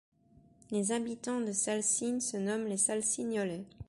Les habitants de Salsigne se nomment les Salsignolais.